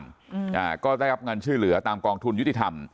อาณะผู้ถูกกระทำก็ได้รับงานชื่อเหลือตามกองทุนยุติธรรม